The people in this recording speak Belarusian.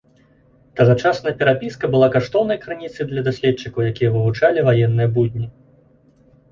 Тагачасная перапіска была каштоўнай крыніцай для даследчыкаў, якія вывучалі ваенныя будні.